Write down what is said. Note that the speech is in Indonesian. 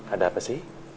ada apa sih